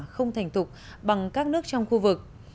không thành thục bằng các nước trong khu vực